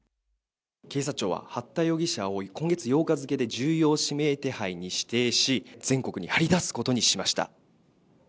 警察庁は八田容疑者を今月８日付で重要指名手配に指定し、全国に張り出すことにしました。